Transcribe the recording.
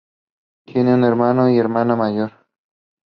Today it is more commonly made with chicken thighs or breasts.